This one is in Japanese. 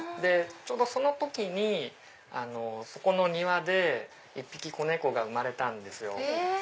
ちょうどその時にそこの庭で１匹子猫が生まれたんですよ。